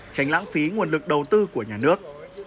tránh lãng phí nguồn lực đầu tư của nhà nước